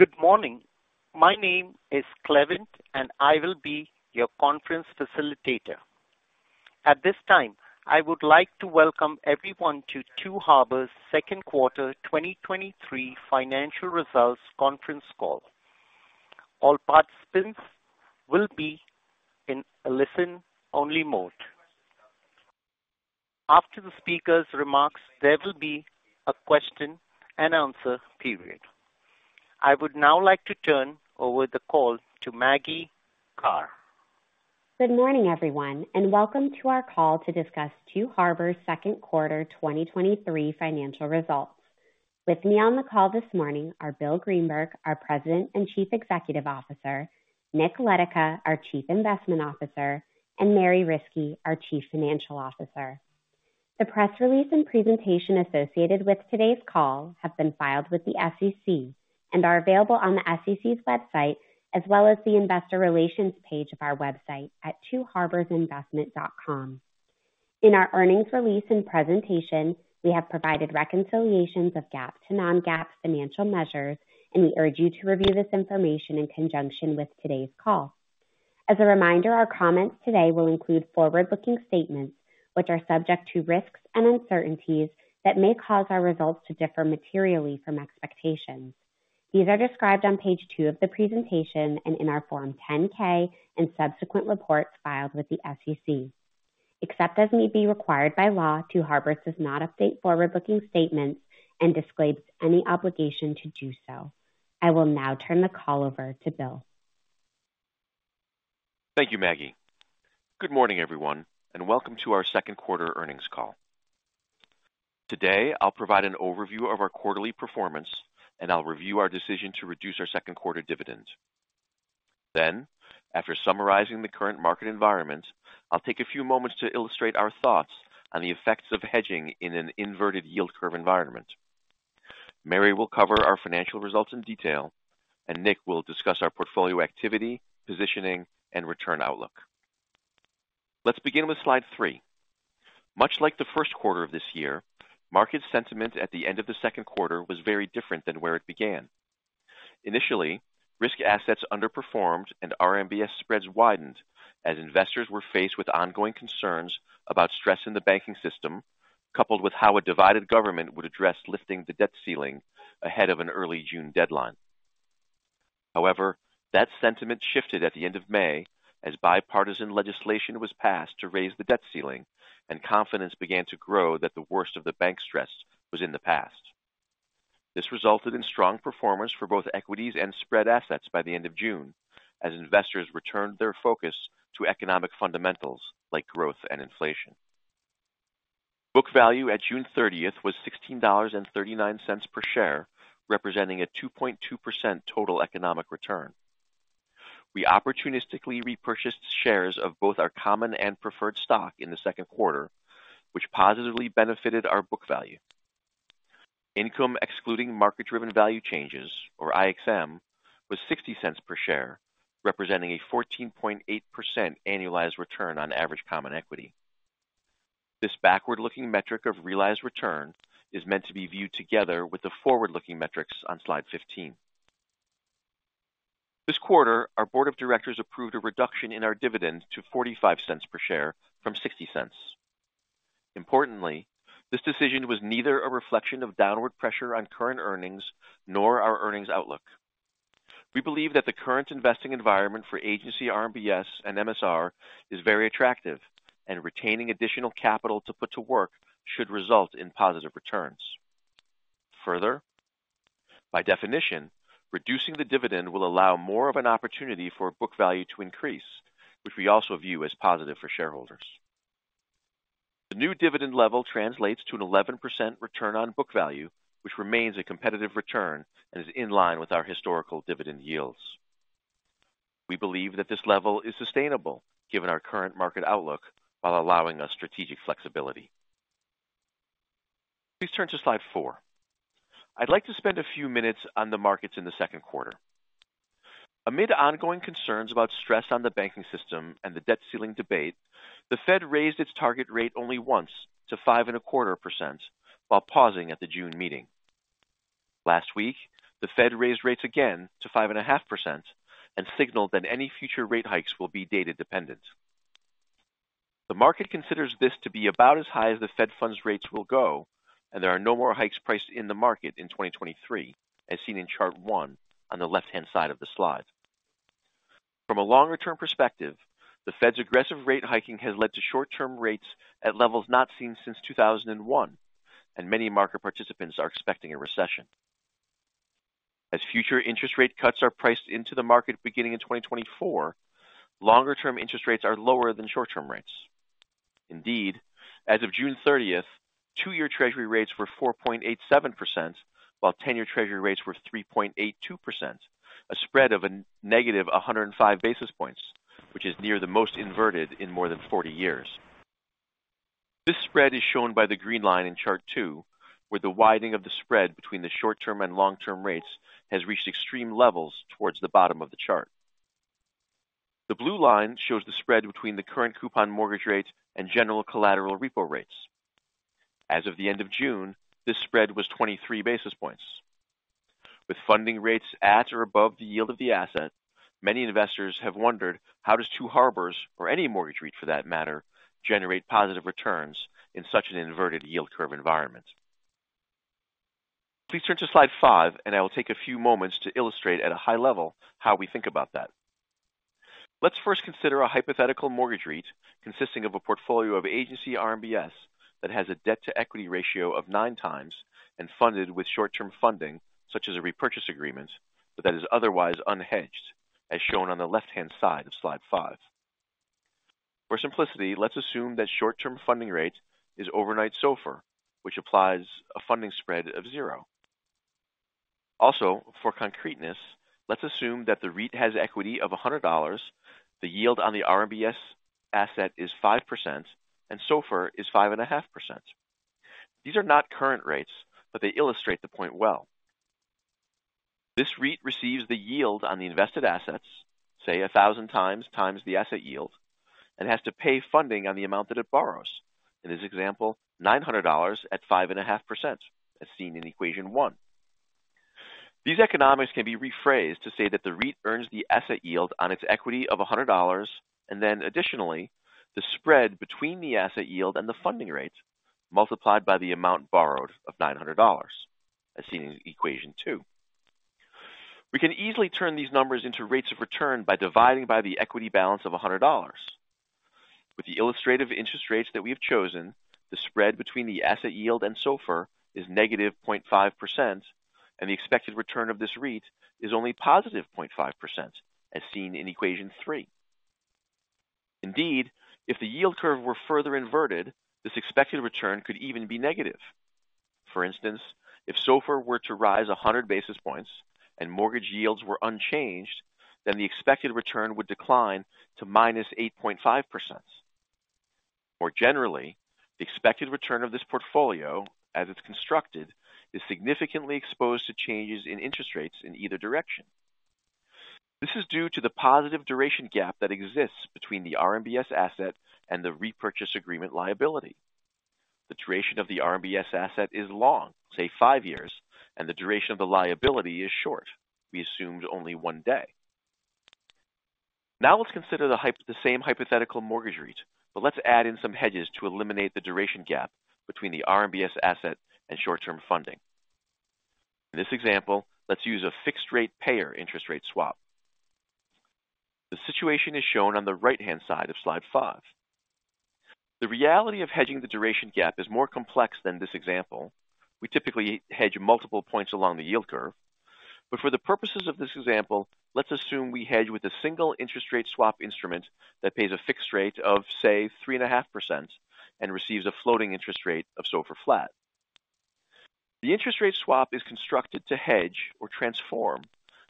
Good morning. My name is Clement, and I will be your conference facilitator. At this time, I would like to welcome everyone to Two Harbors second-quarter 2023 financial results conference call. All participants will be in a listen-only mode. After the speaker's remarks, there will be a question-and-answer period. I would now like to turn over the call to Maggie Karr. Good morning, everyone, and welcome to our call to discuss Two Harbors second-quarter 2023 financial results. With me on the call this morning are Bill Greenberg, our President and Chief Executive Officer, Nick Letica, our Chief Investment Officer, and Mary Riskey, our Chief Financial Officer. The press release and presentation associated with today's call have been filed with the SEC and are available on the SEC's website, as well as the investor relations page of our website at twoharborsinvestment.com. In our earnings release and presentation, we have provided reconciliations of GAAP to non-GAAP financial measures, and we urge you to review this information in conjunction with today's call. As a reminder, our comments today will include forward-looking statements, which are subject to risks and uncertainties that may cause our results to differ materially from expectations. These are described on page 2 of the presentation and in our Form 10-K and subsequent reports filed with the SEC. Except as may be required by law, Two Harbors does not update forward-looking statements and disclaims any obligation to do so. I will now turn the call over to Bill. Thank you, Maggie. Good morning, everyone, and welcome to our second-quarter earnings call. Today, I'll provide an overview of our quarterly performance, and I'll review our decision to reduce our second quarter dividend. After summarizing the current market environment, I'll take a few moments to illustrate our thoughts on the effects of hedging in an inverted yield curve environment. Mary will cover our financial results in detail, and Nick will discuss our portfolio activity, positioning, and return outlook. Let's begin with slide 3. Much like the first quarter of this year, market sentiment at the end of the second quarter was very different than where it began. Initially, risk assets underperformed and RMBS spreads widened as investors were faced with ongoing concerns about stress in the banking system, coupled with how a divided government would address lifting the debt ceiling ahead of an early June deadline. However, that sentiment shifted at the end of May as bipartisan legislation was passed to raise the debt ceiling and confidence began to grow that the worst of the bank stress was in the past. This resulted in strong performance for both equities and spread assets by the end of June, as investors returned their focus to economic fundamentals like growth and inflation. Book value at June 30th was $16.39 per share, representing a 2.2% total economic return. We opportunistically repurchased shares of both our common and preferred stock in the second quarter, which positively benefited our book value. Income excluding market-driven value changes, or IXM, was $0.60 per share, representing a 14.8% annualized return on average common equity. This backward-looking metric of realized return is meant to be viewed together with the forward-looking metrics on slide 15. This quarter, our board of directors approved a reduction in our dividend to $0.45 per share from $0.60. Importantly, this decision was neither a reflection of downward pressure on current earnings nor our earnings outlook. We believe that the current investing environment for agency RMBS and MSR is very attractive, and retaining additional capital to put to work should result in positive returns. By definition, reducing the dividend will allow more of an opportunity for book value to increase, which we also view as positive for shareholders. The new dividend level translates to an 11% return on book value, which remains a competitive return and is in line with our historical dividend yields. We believe that this level is sustainable given our current market outlook, while allowing us strategic flexibility. Please turn to slide four. I'd like to spend a few minutes on the markets in the second quarter. Amid ongoing concerns about stress on the banking system and the debt ceiling debate, the Fed raised its target rate only once to 5.25%, while pausing at the June meeting. Last week, the Fed raised rates again to 5.5% and signaled that any future rate hikes will be data dependent. The market considers this to be about as high as the Fed funds rates will go. There are no more hikes priced in the market in 2023, as seen in chart 1 on the left-hand side of the slide. From a longer-term perspective, the Fed's aggressive rate hiking has led to short-term rates at levels not seen since 2001. Many market participants are expecting a recession. As future interest rate cuts are priced into the market beginning in 2024, longer-term interest rates are lower than short-term rates. Indeed, as of June 30th, 2-year Treasury rates were 4.87%, while 10-year Treasury rates were 3.82%, a spread of a -105 basis points, which is near the most inverted in more than 40 years. This spread is shown by the green line in chart 2, where the widening of the spread between the short-term and long-term rates has reached extreme levels towards the bottom of the chart. The blue line shows the spread between the current coupon mortgage rates and general collateral repo rates. As of the end of June, this spread was 23 basis points. With funding rates at or above the yield of the asset, many investors have wondered, how does Two Harbors, or any mortgage REIT for that matter, generate positive returns in such an inverted yield curve environment? Please turn to slide five. I will take a few moments to illustrate at a high level how we think about that. Let's first consider a hypothetical mortgage REIT consisting of a portfolio of agency RMBS that has a debt-to-equity ratio of nine times and funded with short-term funding, such as a repurchase agreement, but that is otherwise unhedged, as shown on the left-hand side of slide five. For simplicity, let's assume that short-term funding rate is overnight SOFR, which applies a funding spread of zero. For concreteness, let's assume that the REIT has equity of $100, the yield on the RMBS asset is 5%, and SOFR is 5.5%. These are not current rates, but they illustrate the point well. This REIT receives the yield on the invested assets, say, $1,000 asset yield, and has to pay funding on the amount that it borrows. In this example, $900 at 5.5%, as seen in equation 1. These economics can be rephrased to say that the REIT earns the asset yield on its equity of $100, and then additionally, the spread between the asset yield and the funding rate, multiplied by the amount borrowed of $900, as seen in equation 2. We can easily turn these numbers into rates of return by dividing by the equity balance of $100. With the illustrative interest rates that we have chosen, the spread between the asset yield and SOFR is -0.5%, and the expected return of this REIT is only +0.5%, as seen in equation 3. Indeed, if the yield curve were further inverted, this expected return could even be negative. For instance, if SOFR were to rise 100 basis points and mortgage yields were unchanged, then the expected return would decline to -8.5%. More generally, the expected return of this portfolio, as it's constructed, is significantly exposed to changes in interest rates in either direction. This is due to the positive duration gap that exists between the RMBS asset and the repurchase agreement liability. The duration of the RMBS asset is long, say, five years, and the duration of the liability is short. We assumed only one day. Now let's consider the same hypothetical mortgage REIT, but let's add in some hedges to eliminate the duration gap between the RMBS asset and short-term funding. In this example, let's use a fixed-rate payer interest rate swap. The situation is shown on the right-hand side of slide 5. The reality of hedging the duration gap is more complex than this example. We typically hedge multiple points along the yield curve, but for the purposes of this example, let's assume we hedge with a single interest rate swap instrument that pays a fixed rate of, say, 3.5% and receives a floating interest rate of SOFR flat. The interest rate swap is constructed to hedge or transform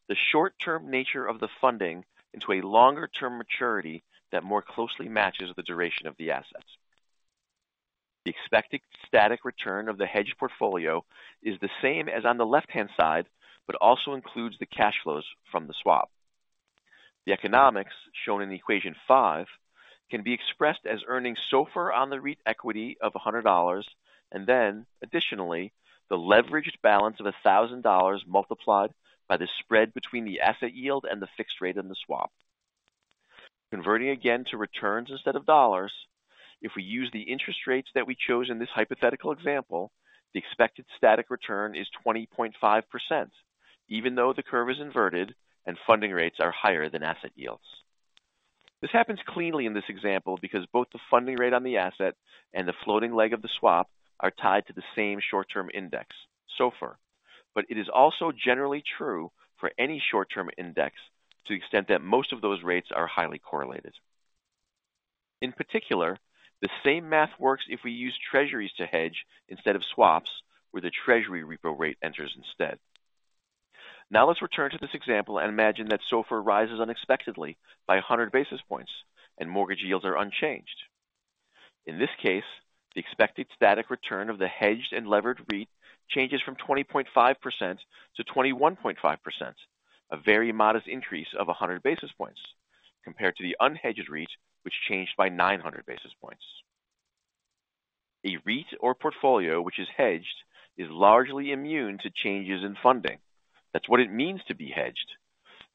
the short-term nature of the funding into a longer-term maturity that more closely matches the duration of the assets. The expected static return of the hedged portfolio is the same as on the left-hand side, but also includes the cash flows from the swap. The economics shown in equation 5 can be expressed as earning SOFR on the REIT equity of $100, and then additionally, the leveraged balance of $1,000 multiplied by the spread between the asset yield and the fixed rate on the swap. Converting again to returns instead of dollars, if we use the interest rates that we chose in this hypothetical example, the expected static return is 20.5%, even though the curve is inverted and funding rates are higher than asset yields. This happens cleanly in this example because both the funding rate on the asset and the floating leg of the swap are tied to the same short-term index, SOFR. It is also generally true for any short-term index to the extent that most of those rates are highly correlated. In particular, the same math works if we use Treasuries to hedge instead of swaps, where the Treasury repo rate enters instead. Now, let's return to this example and imagine that SOFR rises unexpectedly by 100 basis points and mortgage yields are unchanged. In this case, the expected static return of the hedged and levered REIT changes from 20.5% to 21.5%, a very modest increase of 100 basis points compared to the unhedged REIT, which changed by 900 basis points. A REIT or portfolio which is hedged is largely immune to changes in funding. That's what it means to be hedged,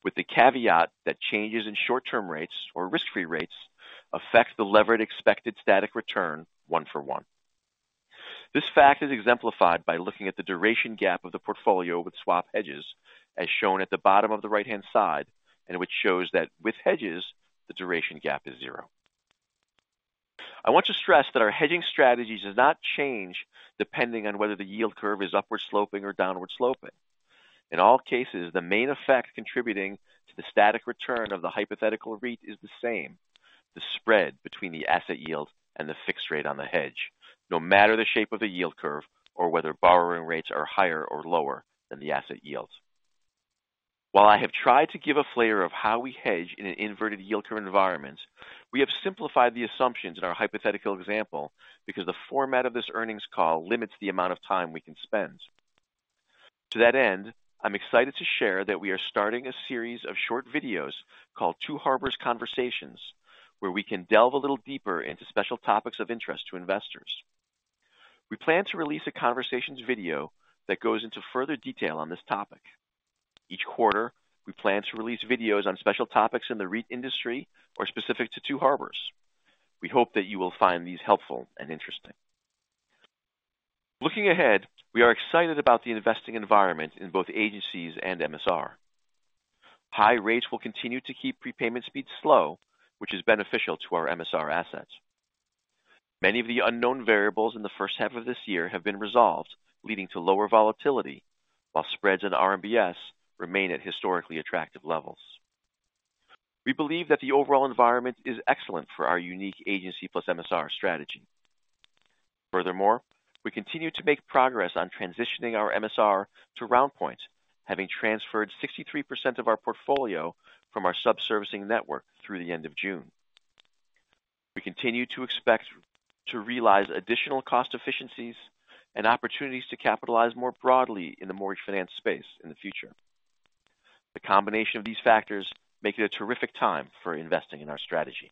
with the caveat that changes in short-term rates or risk-free rates affect the levered expected static return one for one. This fact is exemplified by looking at the duration gap of the portfolio with swap hedges, as shown at the bottom of the right-hand side, which shows that with hedges, the duration gap is zero. I want to stress that our hedging strategies do not change depending on whether the yield curve is upward sloping or downward sloping. In all cases, the main effect contributing to the static return of the hypothetical REIT is the same: the spread between the asset yield and the fixed rate on the hedge, no matter the shape of the yield curve or whether borrowing rates are higher or lower than the asset yields. While I have tried to give a flavor of how we hedge in an inverted yield curve environment, we have simplified the assumptions in our hypothetical example because the format of this earnings call limits the amount of time we can spend. To that end, I'm excited to share that we are starting a series of short videos called Two Harbors Conversations, where we can delve a little deeper into special topics of interest to investors. We plan to release a conversations video that goes into further detail on this topic. Each quarter, we plan to release videos on special topics in the REIT industry or specific to Two Harbors. We hope that you will find these helpful and interesting. Looking ahead, we are excited about the investing environment in both agencies and MSR. High rates will continue to keep prepayment speed slow, which is beneficial to our MSR assets. Many of the unknown variables in the first half of this year have been resolved, leading to lower volatility, while spreads in RMBS remain at historically attractive levels. We believe that the overall environment is excellent for our unique agency plus MSR strategy. Furthermore, we continue to make progress on transitioning our MSR to RoundPoint, having transferred 63% of our portfolio from our sub-servicing network through the end of June. We continue to expect to realize additional cost efficiencies and opportunities to capitalize more broadly in the mortgage finance space in the future. The combination of these factors make it a terrific time for investing in our strategy.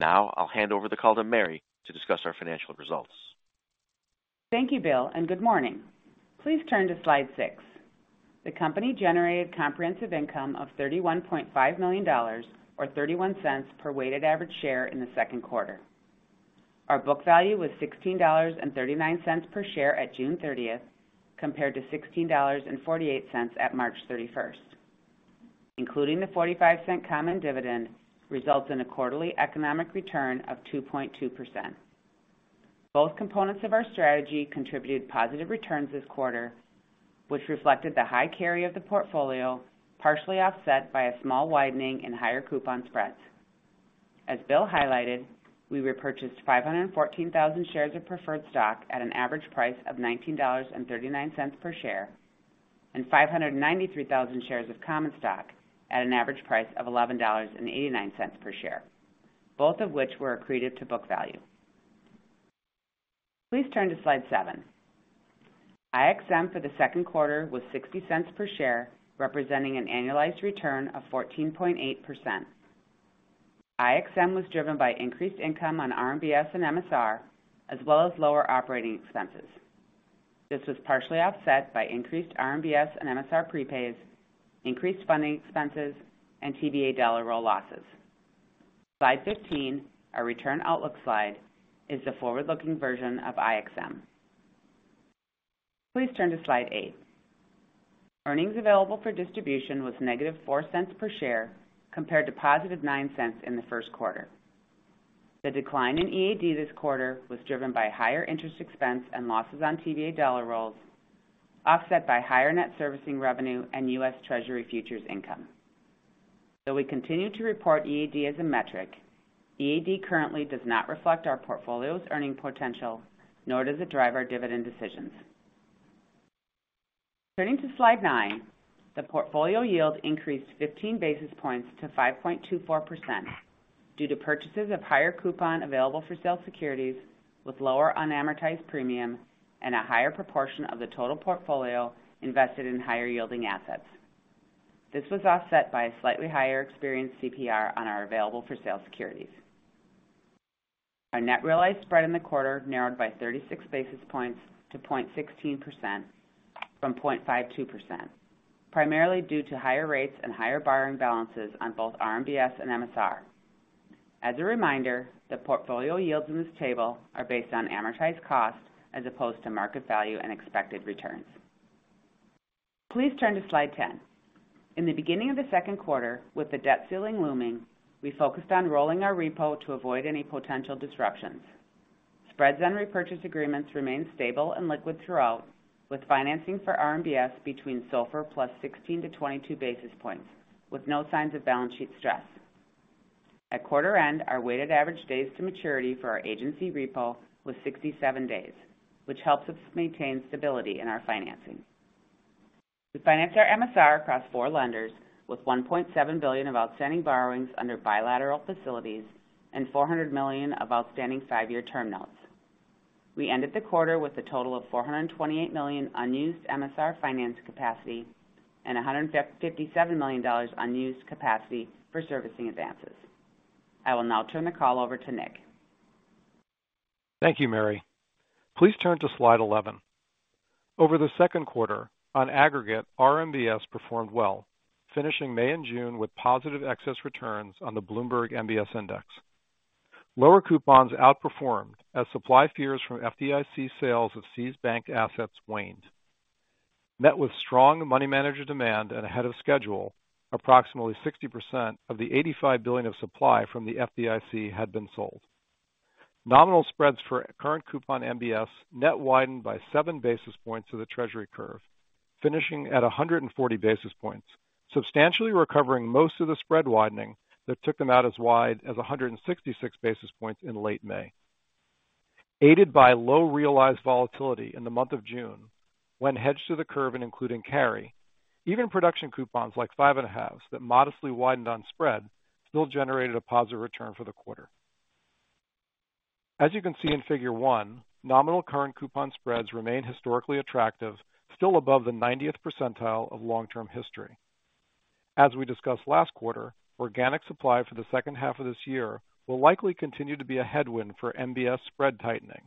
Now I'll hand over the call to Mary to discuss our financial results. Thank you, Bill. Good morning. Please turn to slide 6. The company generated comprehensive income of $31.5 million, or $0.31 per weighted average share in the second quarter. Our book value was $16.39 per share at June 30th, compared to $16.48 at March 31st. Including the $0.45 common dividend, this results in a quarterly economic return of 2.2%. Both components of our strategy contributed positive returns this quarter, which reflected the high carry of the portfolio, partially offset by a small widening in higher coupon spreads. As Bill highlighted, we repurchased 514,000 shares of preferred stock at an average price of $19.39 per share, and 593,000 shares of common stock at an average price of $11.89 per share, both of which were accreted to book value. Please turn to slide 7. IXM for the second quarter was $0.60 per share, representing an annualized return of 14.8%. IXM was driven by increased income on RMBS and MSR, as well as lower operating expenses. This was partially offset by increased RMBS and MSR prepays, increased funding expenses, and TBA dollar roll losses. Slide 15, our return outlook slide, is the forward-looking version of IXM. Please turn to slide 8. Earnings available for distribution was -$0.04 per share, compared to $0.09 in the first quarter. The decline in EAD this quarter was driven by higher interest expense and losses on TBA dollar rolls, offset by higher net servicing revenue and U.S. Treasury futures income. Though we continue to report EAD as a metric, EAD currently does not reflect our portfolio's earning potential, nor does it drive our dividend decisions. Turning to slide 9, the portfolio yield increased 15 basis points to 5.24% due to purchases of higher coupon available-for-sale securities with lower unamortized premium and a higher proportion of the total portfolio invested in higher yielding assets. This was offset by a slightly higher experienced CPR on our available-for-sale securities. Our net realized spread in the quarter narrowed by 36 basis points to 0.16% from 0.52%, primarily due to higher rates and higher borrowing balances on both RMBS and MSR. As a reminder, the portfolio yields in this table are based on amortized cost as opposed to market value and expected returns. Please turn to slide 10. In the beginning of the second quarter, with the debt ceiling looming, we focused on rolling our repo to avoid any potential disruptions. Spreads and repurchase agreements remained stable and liquid throughout, with financing for RMBS between SOFR plus 16-22 basis points, with no signs of balance sheet stress. At quarter end, our weighted average days to maturity for our agency repo was 67 days, which helps us maintain stability in our financing. We finance our MSR across four lenders, with $1.7 billion of outstanding borrowings under bilateral facilities and $400 million of outstanding five-year term notes. We ended the quarter with a total of $428 million unused MSR finance capacity and $157 million unused capacity for servicing advances. I will now turn the call over to Nick. Thank you, Mary. Please turn to slide 11. Over the second quarter, on aggregate, RMBS performed well, finishing May and June with positive excess returns on the Bloomberg MBS Index. Lower coupons outperformed as supply fears from FDIC sales of seized bank assets waned. Net with strong money manager demand and ahead of schedule, approximately 60% of the $85 billion of supply from the FDIC had been sold. Nominal spreads for current coupon MBS net widened by 7 basis points to the Treasury curve, finishing at 140 basis points, substantially recovering most of the spread widening that took them out as wide as 166 basis points in late May. Aided by low realized volatility in the month of June, when hedged to the curve and including carry, even production coupons like 5.5 that modestly widened on spread still generated a positive return for the quarter. As you can see in Figure 1, nominal current coupon spreads remain historically attractive, still above the 90th percentile of long-term history. As we discussed last quarter, organic supply for the 2nd half of this year will likely continue to be a headwind for MBS spread tightening,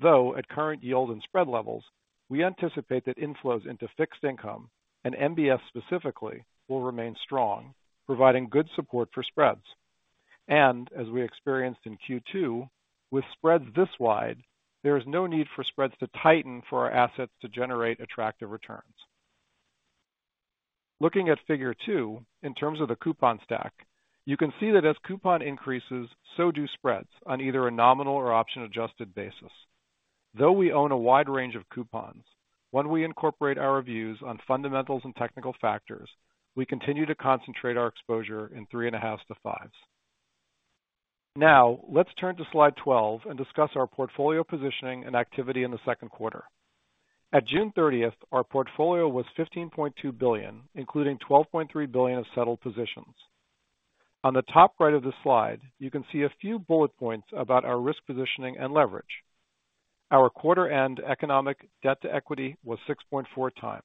though at current yield and spread levels, we anticipate that inflows into fixed income and MBS specifically will remain strong, providing good support for spreads. As we experienced in Q2, with spreads this wide, there is no need for spreads to tighten for our assets to generate attractive returns. Looking at Figure 2, in terms of the coupon stack, you can see that as coupon increases, so do spreads on either a nominal or option-adjusted basis. Though we own a wide range of coupons, when we incorporate our views on fundamentals and technical factors, we continue to concentrate our exposure in 3.5s to 5s. Let's turn to Slide 12 and discuss our portfolio positioning and activity in the second quarter. At June 30th, our portfolio was $15.2 billion, including $12.3 billion of settled positions. On the top right of the slide, you can see a few bullet points about our risk positioning and leverage. Our quarter-end economic debt-to-equity was 6.4x.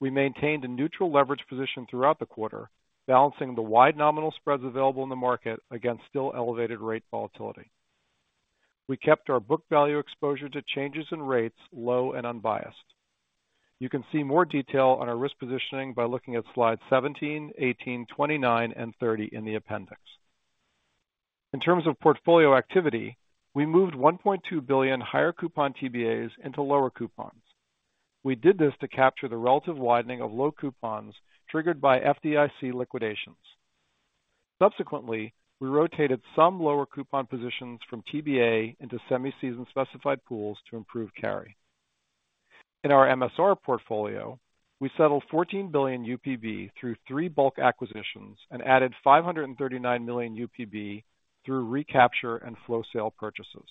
We maintained a neutral leverage position throughout the quarter, balancing the wide nominal spreads available in the market against still elevated rate volatility. We kept our book value exposure to changes in rates low and unbiased. You can see more detail on our risk positioning by looking at Slides 17, 18, 29, and 30 in the appendix. In terms of portfolio activity, we moved $1.2 billion higher coupon TBAs into lower coupons. We did this to capture the relative widening of low coupons triggered by FDIC liquidations. Subsequently, we rotated some lower coupon positions from TBA into semi-season specified pools to improve carry. In our MSR portfolio, we settled 14 billion UPB through three bulk acquisitions and added 539 million UPB through recapture and flow sale purchases.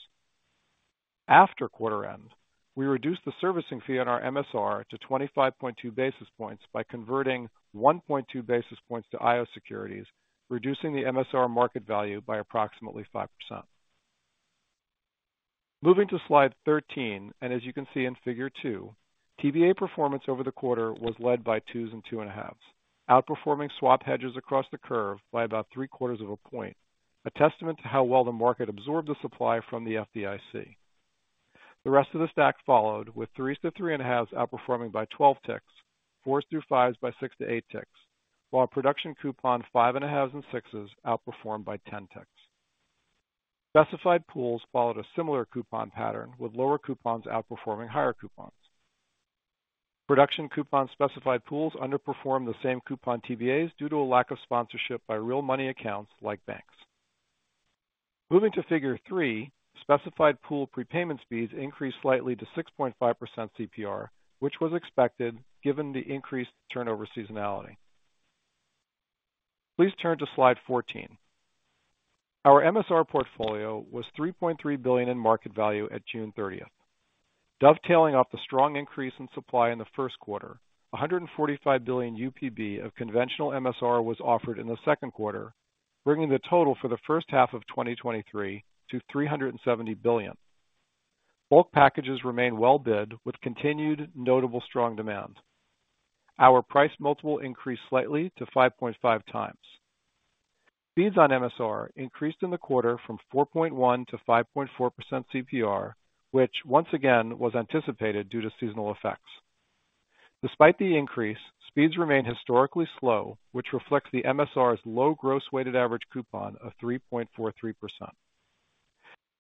After quarter end, we reduced the servicing fee on our MSR to 25.2 basis points by converting 1.2 basis points to IO securities, reducing the MSR market value by approximately 5%. Moving to Slide 13, as you can see in Figure 2, TBA performance over the quarter was led by 2s and 2.5s, outperforming swap hedges across the curve by about 0.75 of a point. A testament to how well the market absorbed the supply from the FDIC. The rest of the stack followed, with 3s to 3.5s outperforming by 12 ticks, 4s through 5s by 6-8 ticks, while production coupon 5.5s and 6s outperformed by 10 ticks. Specified pools followed a similar coupon pattern, with lower coupons outperforming higher coupons. Production coupon specified pools underperformed the same coupon TBAs due to a lack of sponsorship by real money accounts like banks. Moving to Figure 3, specified pool prepayment speeds increased slightly to 6.5% CPR, which was expected given the increased turnover seasonality. Please turn to Slide 14. Our MSR portfolio was $3.3 billion in market value at June 30th. Dovetailing off the strong increase in supply in the first quarter, $145 billion UPB of conventional MSR was offered in the second quarter, bringing the total for the first half of 2023 to $370 billion. Bulk packages remain well bid, with continued notable strong demand. Our price multiple increased slightly to 5.5x. Fees on MSR increased in the quarter from 4.1% to 5.4% CPR, which once again, was anticipated due to seasonal effects. Despite the increase, speeds remain historically slow, which reflects the MSR's low gross weighted average coupon of 3.43%.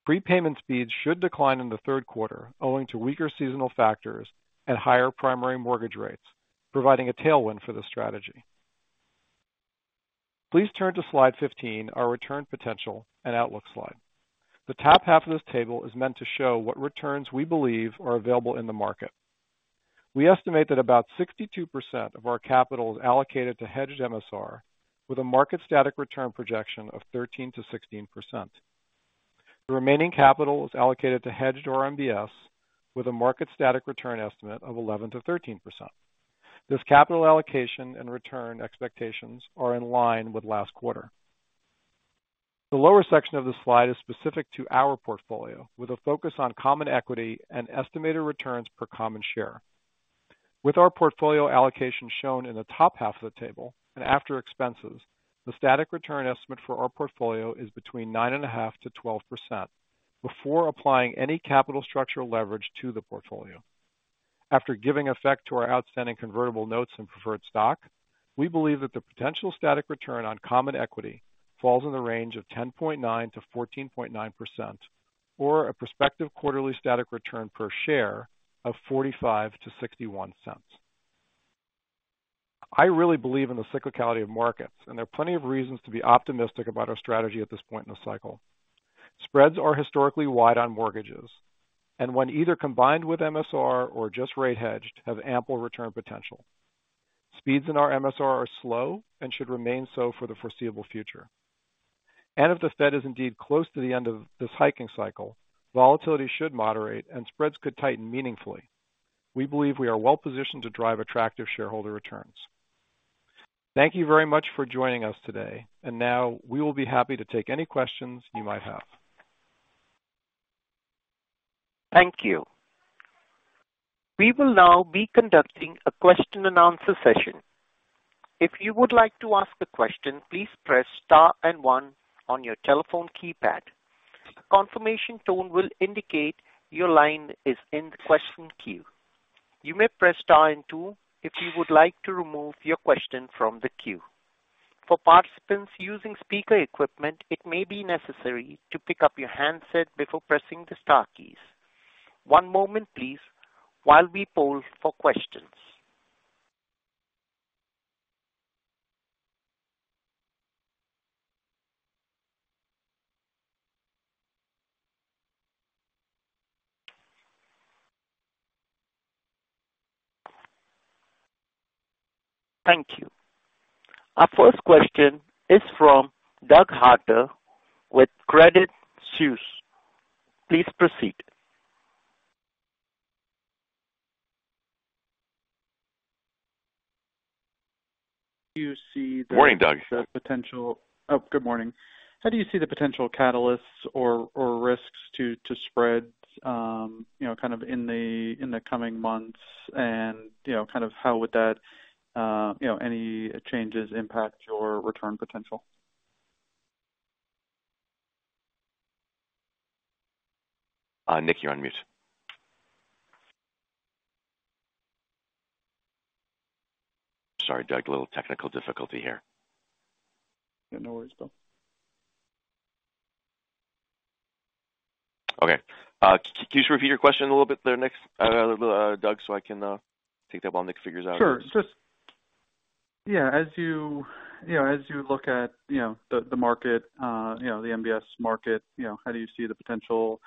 Prepayment speeds should decline in the third quarter, owing to weaker seasonal factors and higher primary mortgage rates, providing a tailwind for the strategy. Please turn to Slide 15, our return potential and outlook slide. The top half of this table is meant to show what returns we believe are available in the market. We estimate that about 62% of our capital is allocated to hedged MSR, with a market static return projection of 13%-16%. The remaining capital is allocated to hedged RMBS, with a market static return estimate of 11%-13%. This capital allocation and return expectations are in line with last quarter. The lower section of this slide is specific to our portfolio, with a focus on common equity and estimated returns per common share. With our portfolio allocation shown in the top half of the table and after expenses, the static return estimate for our portfolio is between 9.5%-12%, before applying any capital structural leverage to the portfolio. After giving effect to our outstanding convertible notes and preferred stock, we believe that the potential static return on common equity falls in the range of 10.9%-14.9%, or a prospective quarterly static return per share of $0.45-$0.61. I really believe in the cyclicality of markets, there are plenty of reasons to be optimistic about our strategy at this point in the cycle. Spreads are historically wide on mortgages, when either combined with MSR or just rate hedged, have ample return potential. Speeds in our MSR are slow and should remain so for the foreseeable future. If the Fed is indeed close to the end of this hiking cycle, volatility should moderate and spreads could tighten meaningfully. We believe we are well positioned to drive attractive shareholder returns. Thank you very much for joining us today. Now we will be happy to take any questions you might have. Thank you. We will now be conducting a question-and-answer session. If you would like to ask a question, please press star and one on your telephone keypad. A confirmation tone will indicate your line is in the question queue. You may press star and two if you would like to remove your question from the queue. For participants using speaker equipment, it may be necessary to pick up your handset before pressing the star keys. One moment please, while we poll for questions. Thank you. Our first question is from Douglas Harter with Credit Suisse. Please proceed. You see. Morning, Doug. The potential. Oh, good morning. How do you see the potential catalysts or risks to spreads, you know, kind of in the coming months? You know, kind of how would that, you know, any changes impact your return potential? Nick, you're on mute. Sorry, Doug. A little technical difficulty here. Yeah, no worries, Bill. Okay, can you just repeat your question a little bit there, Nick, Doug, so I can take that while Nick figures out? Sure. Just, yeah, as you, you know, as you look at, you know, the, the market, you know, the MBS market, you know, how do you see the potential,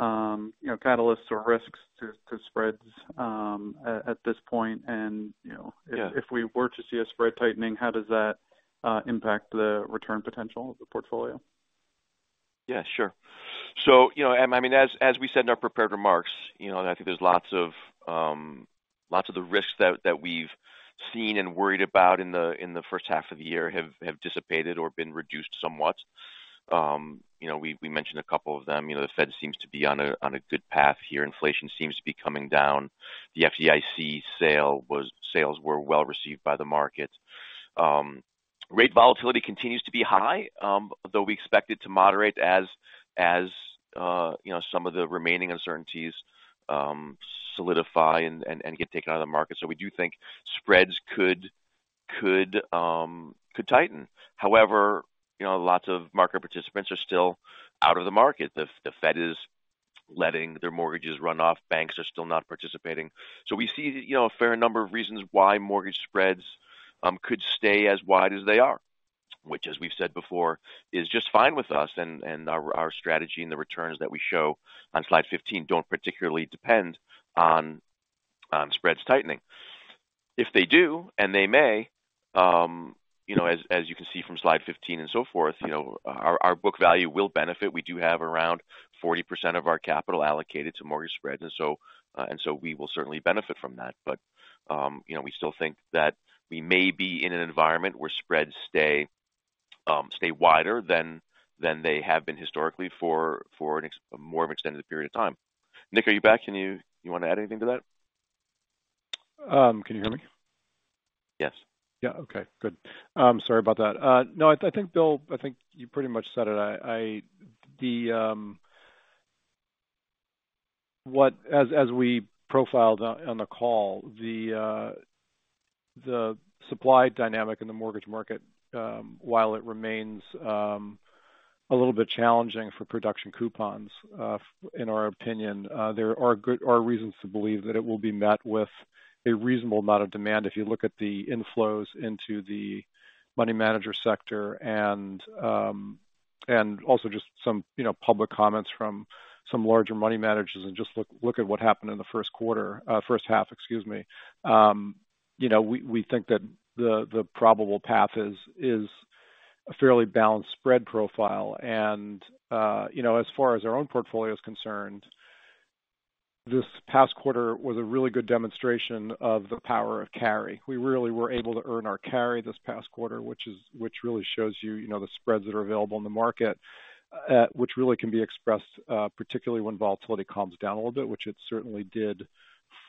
you know, catalysts or risks to, to spreads, at, at this point? If we were to see a spread tightening, how does that impact the return potential of the portfolio? Yeah, sure. You know, I mean, as, as we said in our prepared remarks, you know, I think there's lots of, lots of the risks that, that we've seen and worried about in the, in the first half of the year have, have dissipated or been reduced somewhat. You know, we, we mentioned a couple of them. You know, the Fed seems to be on a, on a good path here. Inflation seems to be coming down. The FDIC sales were well received by the market. Rate volatility continues to be high, though we expect it to moderate as, as, you know, some of the remaining uncertainties solidify and, and, and get taken out of the market. We do think spreads could, could, could tighten. However, you know, lots of market participants are still out of the market. The Fed is letting their mortgages run off. Banks are still not participating. We see, you know, a fair number of reasons why mortgage spreads could stay as wide as they are, which, as we've said before, is just fine with us. Our strategy and the returns that we show on slide 15 don't particularly depend on spreads tightening. If they do, and they may, you know, as you can see from slide 15 and so forth, you know, our book value will benefit. We do have around 40% of our capital allocated to mortgage spreads, and so we will certainly benefit from that. You know, we still think that we may be in an environment where spreads stay wider than, than they have been historically for, for extended period of time. Nick, are you back? Can you do you want to add anything to that? Can you hear me? Yes. Yeah. Okay, good. Sorry about that. No, I think, Bill, I think you pretty much said it. The, as, as we profiled on, on the call, the, the supply dynamic in the mortgage market, while it remains, a little bit challenging for production coupons, in our opinion, there are reasons to believe that it will be met with a reasonable amount of demand. If you look at the inflows into the money manager sector and, and also just some, you know, public comments from some larger money managers, and just look, look at what happened in the first quarter, first half, excuse me. You know, we think that the probable path is a fairly balanced spread profile. You know, as far as our own portfolio is concerned, this past quarter was a really good demonstration of the power of carry. We really were able to earn our carry this past quarter, which really shows you, you know, the spreads that are available in the market, which really can be expressed, particularly when volatility calms down a little bit, which it certainly did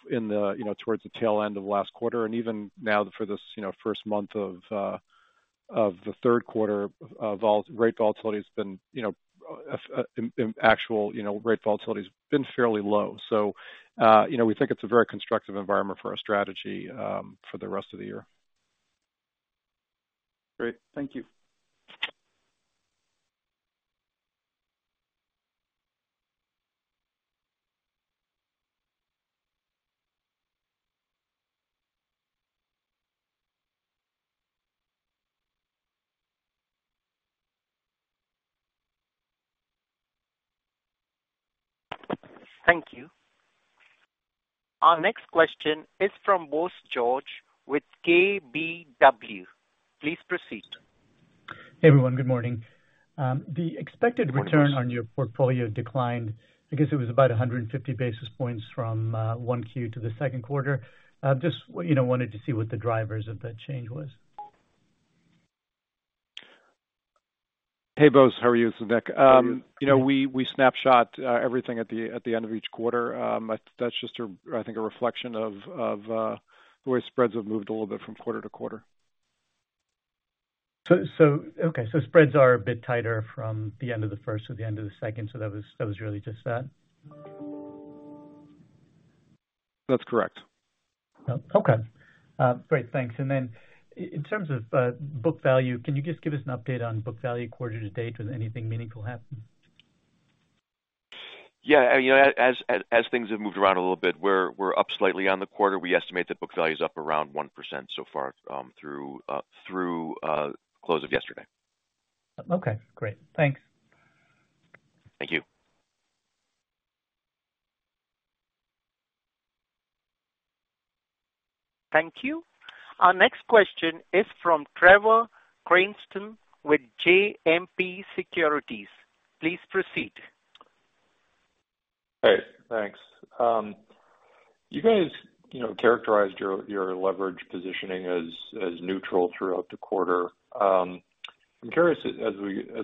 in the, you know, towards the tail end of last quarter. Even now for this, you know, first month of the third quarter of rate volatility has been, you know, in, in actual, you know, rate volatility has been fairly low. You know, we think it's a very constructive environment for our strategy for the rest of the year. Great. Thank you. Thank you. Our next question is from Bose George, with KBW. Please proceed. Hey, everyone, good morning. The expected return on your portfolio declined. I guess it was about 150 basis points from 1Q to 2Q. Just, you know, wanted to see what the drivers of that change was. Hey, Bose, how are you? This is Nick. You know, we, we snapshot everything at the, at the end of each quarter. That's just a, I think, a reflection of, of the way spreads have moved a little bit from quarter to quarter. Okay, so spreads are a bit tighter from the end of the first to the end of the second. That was really just that? That's correct. Okay. Great, thanks. In terms of book value, can you just give us an update on book value quarter to date, with anything meaningful happening? Yeah, you know, as, as, as things have moved around a little bit, we're, we're up slightly on the quarter. We estimate that book value is up around 1% so far, through close of yesterday. Okay, great. Thanks. Thank you. Thank you. Our next question is from Trevor Cranston with JMP Securities. Please proceed. Hey, thanks. You guys, you know, characterized your, your leverage positioning as, as neutral throughout the quarter. I'm curious, as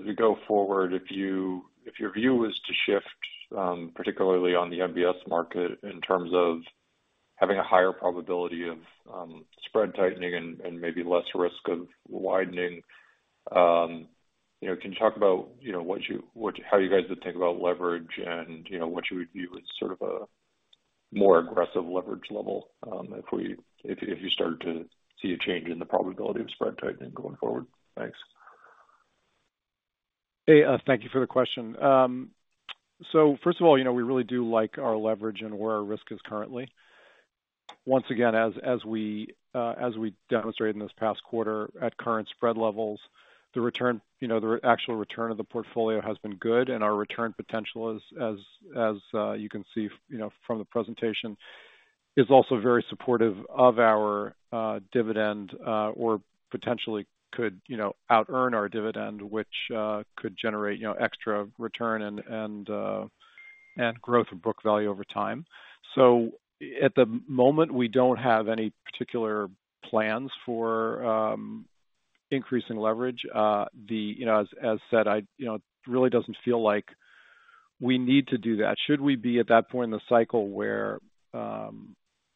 we go forward, if your view is to shift, particularly on the MBS market, in terms of having a higher probability of spread tightening and maybe less risk of widening. You know, can you talk about, you know, what you, how you guys would think about leverage and, you know, what you would view as sort of a more aggressive leverage level, if we, if you started to see a change in the probability of spread tightening going forward? Thanks. Hey, thank you for the question. First of all, you know, we really do like our leverage and where our risk is currently. Once again, as, as we, as we demonstrated in this past quarter, at current spread levels, the return, you know, the actual return of the portfolio has been good, and our return potential as, as, as, you can see, you know, from the presentation, is also very supportive of our dividend, or potentially could, you know, outearn our dividend, which could generate, you know, extra return and, and growth in book value over time. At the moment, we don't have any particular plans for increasing leverage. The, you know, as, as said, I, you know, it really doesn't feel like we need to do that. Should we be at that point in the cycle where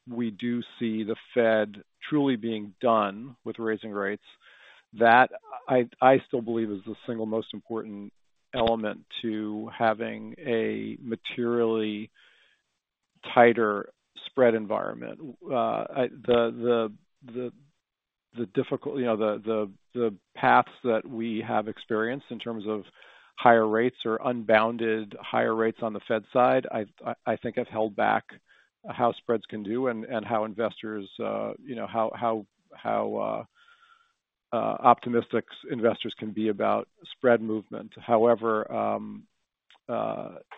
we do see the Fed truly being done with raising rates, that I, I still believe, is the single most important element to having a materially tighter spread environment. I, the, the, the, the difficult, you know, the, the, the paths that we have experienced in terms of higher rates or unbounded higher rates on the Fed side, I, I, I think, have held back how spreads can do and, and how investors, you know, how, how, how optimistic investors can be about spread movement. However, you know, I, I think that if the-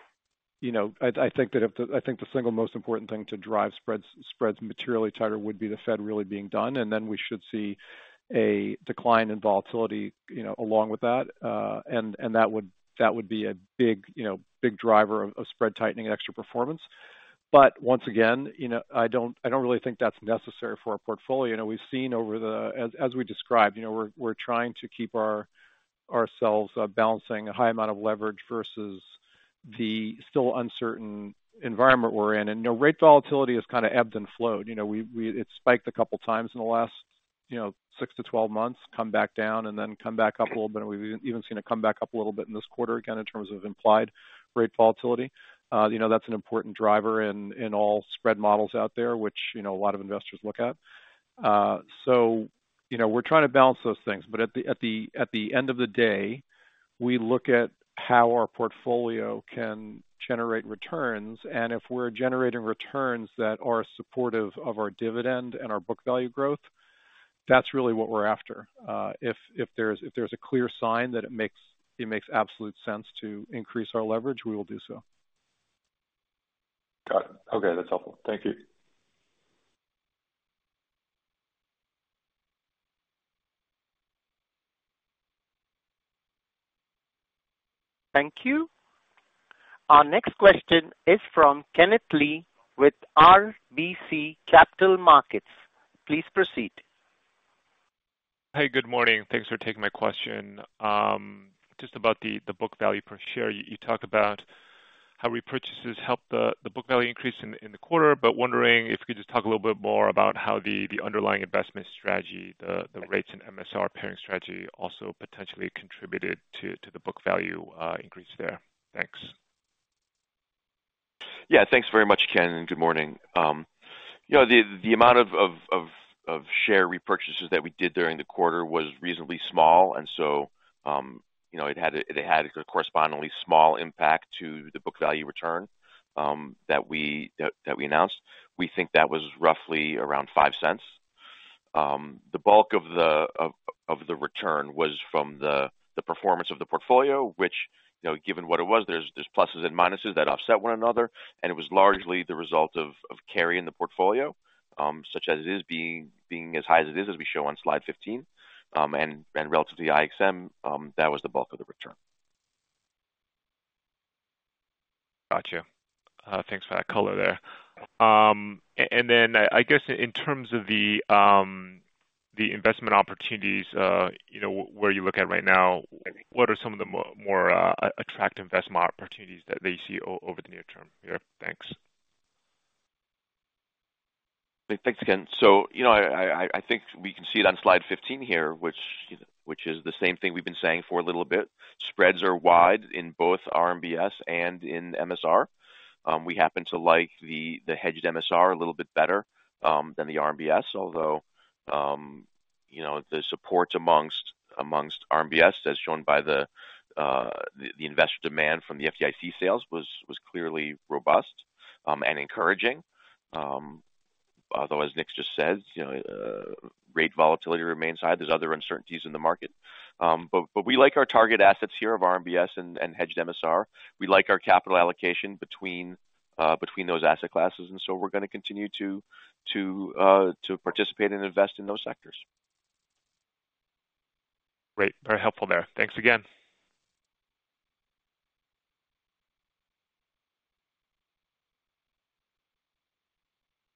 I think the single most important thing to drive spreads, spreads materially tighter would be the Fed really being done, and then we should see a decline in volatility, you know, along with that. And that would, that would be a big, you know, big driver of, of spread tightening and extra performance. Once again, you know, I don't, I don't really think that's necessary for our portfolio. You know, we've seen over the, as, as we described, you know, we're, we're trying to keep ourselves, balancing a high amount of leverage versus the still uncertain environment we're in. You know, rate volatility has kind of ebbed and flowed. You know, we, it spiked a couple times in the last, you know, 6 to 12 months, come back down and then come back up a little bit. We've even seen it come back up a little bit in this quarter, again, in terms of implied rate volatility. You know, that's an important driver in, in all spread models out there, which, you know, a lot of investors look at. You know, we're trying to balance those things, but at the, at the, at the end of the day, we look at how our portfolio can generate returns, and if we're generating returns that are supportive of our dividend and our book value growth, that's really what we're after. If, if there's, if there's a clear sign that it makes, it makes absolute sense to increase our leverage, we will do so. Got it. Okay, that's helpful. Thank you. Thank you. Our next question is from Kenneth Lee with RBC Capital Markets. Please proceed. Hey, good morning. Thanks for taking my question. Just about the book value per share. You talked about how repurchases helped the book value increase in the quarter. Wondering if you could just talk a little bit more about how the underlying investment strategy, the rates and MSR pairing strategy also potentially contributed to the book value increase there. Thanks. Yeah, thanks very much, Ken, and good morning. You know, the amount of share repurchases that we did during the quarter was reasonably small, and so, you know, it had a correspondingly small impact to the book value return that we announced. We think that was roughly around $0.05. The bulk of the return was from the performance of the portfolio, which. You know, given what it was, there's pluses and minuses that offset one another, and it was largely the result of carry in the portfolio, such as it is as high as it is, as we show on slide 15. Relative to the IXM, that was the bulk of the return. Got you. Thanks for that color there. I guess in terms of the investment opportunities, you know, where you look at right now, what are some of the more attractive investment opportunities that they see over the near term? Yeah, thanks. Thanks again. You know, I, I, I think we can see it on slide 15 here, which, which is the same thing we've been saying for a little bit. Spreads are wide in both RMBS and in MSR. We happen to like the, the hedged MSR a little bit better than the RMBS, although, you know, the support amongst, amongst RMBS, as shown by the investor demand from the FDIC sales, was, was clearly robust and encouraging. Although, as Nick just said, you know, rate volatility remains high. There's other uncertainties in the market. But, but we like our target assets here of RMBS and, and hedged MSR. We like our capital allocation between, between those asset classes, and so we're going to continue to, to, to participate and invest in those sectors. Great. Very helpful there. Thanks again.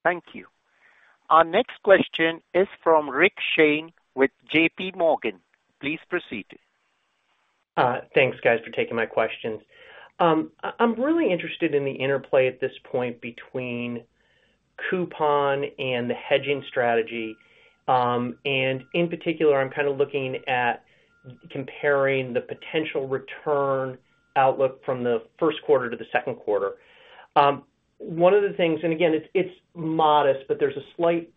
Thank you. Our next question is from Rick Shane with JPMorgan. Please proceed. Thanks, guys, for taking my questions. I'm really interested in the interplay at this point between coupon and the hedging strategy. In particular, I'm kind of looking at comparing the potential return outlook from the first quarter to the second quarter. One of the things, again, it's, it's modest, but there's a slight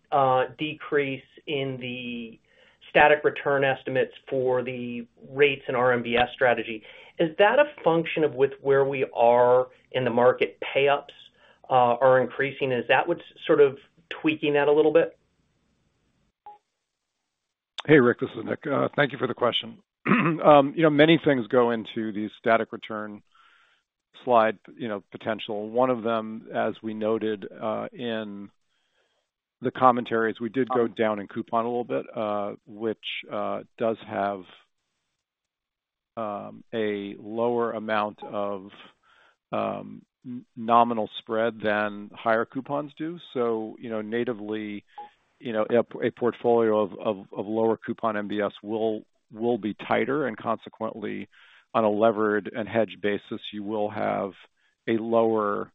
decrease in the static return estimates for the rates and RMBS strategy. Is that a function of with where we are in the market, pay ups, are increasing? Is that what's sort of tweaking that a little bit? Hey, Rick, this is Nick. Thank you for the question. You know, many things go into the static return slide, you know, potential. One of them, as we noted in the commentary, is we did go down in coupon a little bit, which does have a lower amount of nominal spread than higher coupons do. You know, natively, you know, a portfolio of lower coupon MBS will be tighter, and consequently, on a levered and hedged basis, you will have a lower,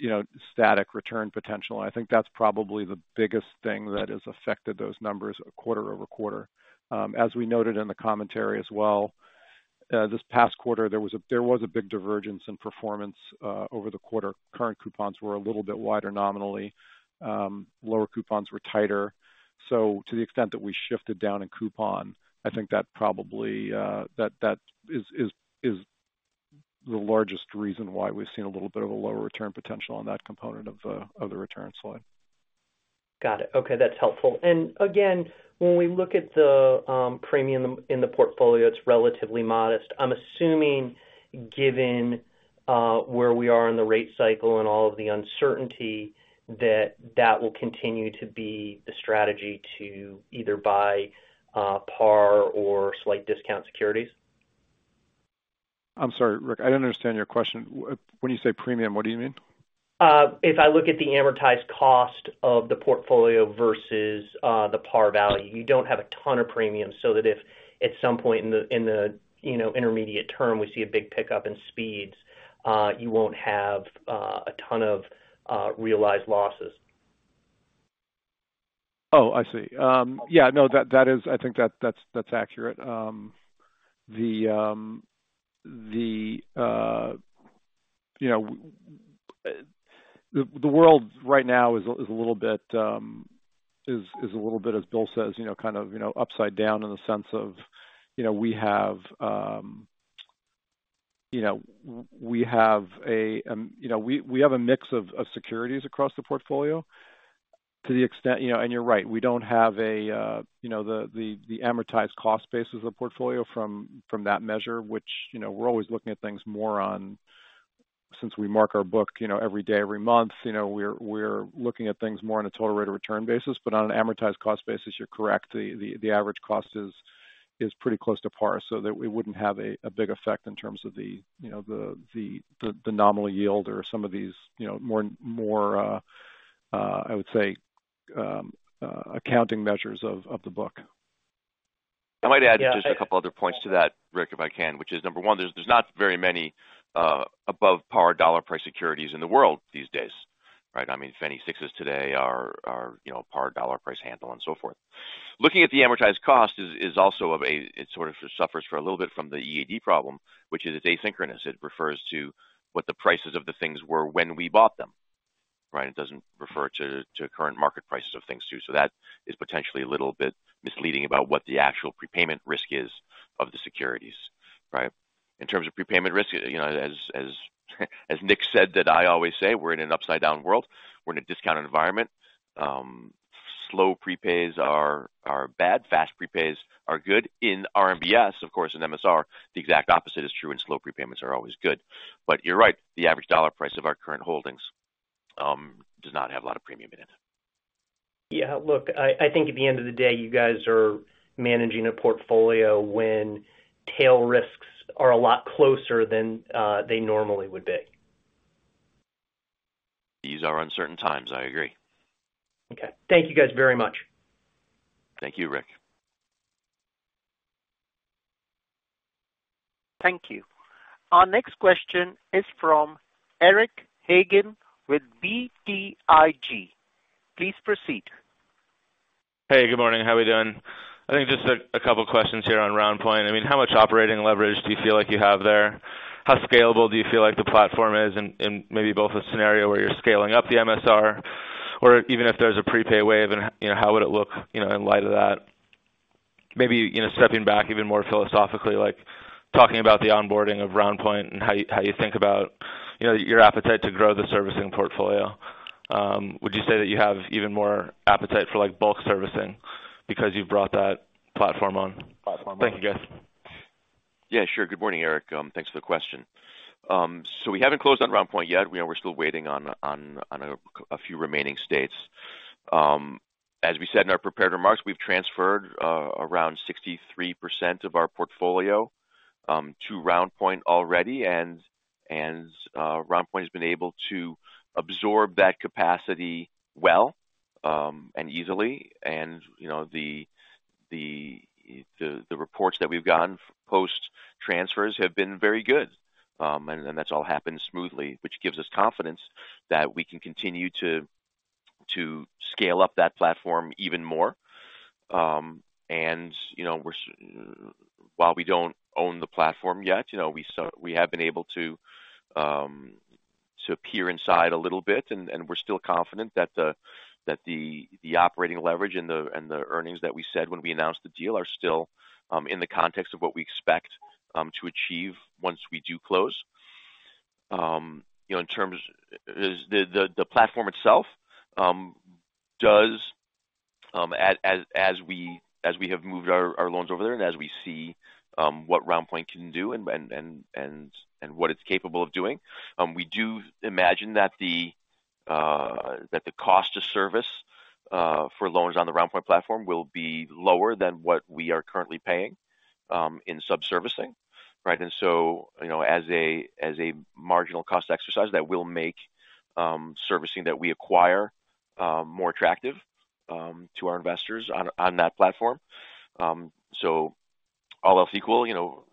you know, static return potential. I think that's probably the biggest thing that has affected those numbers quarter-over-quarter. As we noted in the commentary as well, this past quarter, there was a big divergence in performance over the quarter. Current coupons were a little bit wider nominally. Lower coupons were tighter. To the extent that we shifted down in coupon, I think that probably that is the largest reason why we've seen a little bit of a lower return potential on that component of the return slide. Got it. Okay, that's helpful. Again, when we look at the premium in the portfolio, it's relatively modest. I'm assuming, given where we are in the rate cycle and all of the uncertainty, that that will continue to be the strategy to either buy, par or slight discount securities. I'm sorry, Rick, I don't understand your question. When you say premium, what do you mean? If I look at the amortized cost of the portfolio versus the par value, you don't have a ton of premium. That if at some point in the, in the, you know, intermediate term, we see a big pickup in speeds, you won't have a ton of realized losses. Oh, I see. Yeah, no, that, that is. I think that's, that's accurate. The, the, you know, the, the world right now is a, is a little bit, is, is a little bit, as Bill says, you know, kind of, you know, upside down in the sense of, you know, we have, you know, we have a, you know, we, we have a mix of, of securities across the portfolio to the extent, you know, and you're right, we don't have a, you know, the, the, the amortized cost basis of the portfolio from, from that measure, which, you know, we're always looking at things more on. Since we mark our book, you know, every day, every month, you know, we're, we're looking at things more on a total rate of return basis, but on an amortized cost basis, you're correct. The, the, the average cost is, is pretty close to par, so that we wouldn't have a, a big effect in terms of the, you know, the, the, the nominal yield or some of these, you know, more, more, I would say, accounting measures of, of the book. I might add just a couple other points to that, Rick, if I can, which is, 1, there's, there's not very many above par dollar price securities in the world these days, right? I mean, Fannie 6s today are, are, you know, par dollar price handle and so forth. Looking at the amortized cost is, is also of it sort of suffers for a little bit from the EAD problem, which is asynchronous. It refers to what the prices of the things were when we bought them, right? It doesn't refer to, to current market prices of things, too. That is potentially a little bit misleading about what the actual prepayment risk is of the securities, right? In terms of prepayment risk, you know, as, as, as Nick said, that I always say, we're in an upside-down world. We're in a discounted environment. Slow prepays are bad, fast prepays are good. In RMBS, of course, in MSR, the exact opposite is true. Slow prepayments are always good. You're right, the average dollar price of our current holdings does not have a lot of premium in it. Yeah, look, I, I think at the end of the day, you guys are managing a portfolio when tail risks are a lot closer than they normally would be. These are uncertain times. I agree. Okay. Thank you guys very much. Thank you, Rick. Thank you. Our next question is from Eric Hagen with BTIG. Please proceed. Hey, good morning. How are we doing? I think just 2 questions here on RoundPoint. I mean, how much operating leverage do you feel like you have there? How scalable do you feel like the platform is in maybe both a scenario where you're scaling up the MSR or even if there's a prepay wave, and, you know, how would it look, you know, in light of that? Maybe, you know, stepping back even more philosophically, like talking about the onboarding of RoundPoint and how you think about, you know, your appetite to grow the servicing portfolio. Would you say that you have even more appetite for, like, bulk servicing because you've brought that platform on? Thank you, guys. Yeah, sure. Good morning, Eric. Thanks for the question. We haven't closed on RoundPoint yet. You know, we're still waiting on a few remaining states. As we said in our prepared remarks, we've transferred around 63% of our portfolio to RoundPoint already, and RoundPoint has been able to absorb that capacity well and easily. You know, the reports that we've gotten post-transfers have been very good. That's all happened smoothly, which gives us confidence that we can continue to scale up that platform even more. You know, while we don't own the platform yet, you know, we have been able to peer inside a little bit, and we're still confident that the, that the, the operating leverage and the, and the earnings that we said when we announced the deal are still in the context of what we expect to achieve once we do close. You know, the platform itself, as we have moved our loans over there and as we see what RoundPoint can do and what it's capable of doing, we do imagine that the cost to service for loans on the RoundPoint platform will be lower than what we are currently paying in subservicing, right? So, you know, as a, as a marginal cost exercise, that will make servicing that we acquire more attractive to our investors on that platform. All else equal, you know,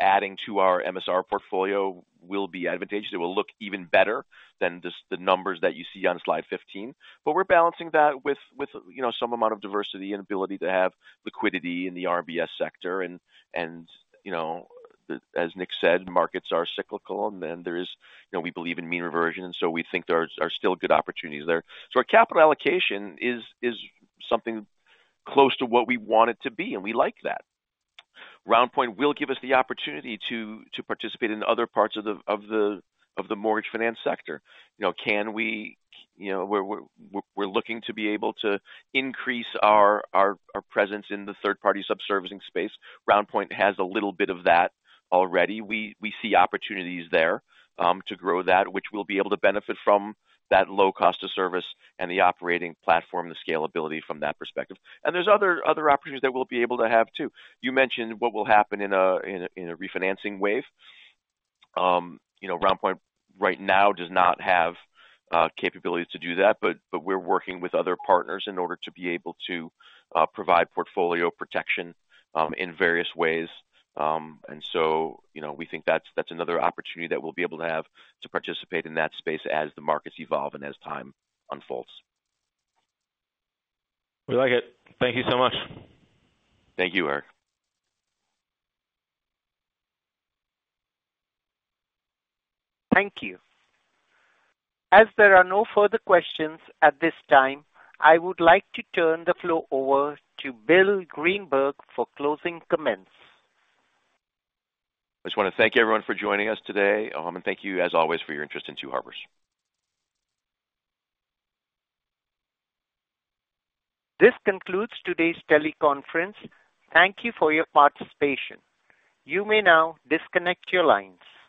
adding to our MSR portfolio will be advantageous. It will look even better than just the numbers that you see on slide 15. We're balancing that with, with, you know, some amount of diversity and ability to have liquidity in the RMBS sector. You know, as Nick said, markets are cyclical, and then there is, you know, we believe in mean reversion, we think there are still good opportunities there. Our capital allocation is something close to what we want it to be, and we like that. RoundPoint will give us the opportunity to, to participate in other parts of the, of the, of the mortgage finance sector. You know, you know, we're, we're, we're looking to be able to increase our, our, our presence in the third-party subservicing space. RoundPoint has a little bit of that already. We, we see opportunities there to grow that, which we'll be able to benefit from that low cost of service and the operating platform, the scalability from that perspective. There's other, other opportunities that we'll be able to have too. You mentioned what will happen in a, in a, in a refinancing wave. You know, RoundPoint right now does not have capabilities to do that, but, but we're working with other partners in order to be able to provide portfolio protection in various ways. So, you know, we think that's, that's another opportunity that we'll be able to have to participate in that space as the markets evolve and as time unfolds. We like it. Thank you so much. Thank you, Eric. Thank you. As there are no further questions at this time, I would like to turn the floor over to William Greenberg for closing comments. I just want to thank everyone for joining us today, and thank you as always, for your interest in Two Harbors. This concludes today's teleconference. Thank you for your participation. You may now disconnect your lines.